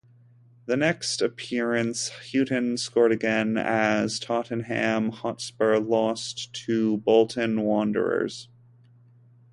The next appearance, Hutton scored again, as Tottenham Hotspur lost to Bolton Wanderers.